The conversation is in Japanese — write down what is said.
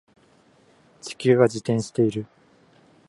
地球は自転している